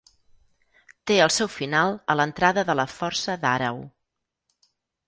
Té el seu final a l'entrada de la Força d'Àreu.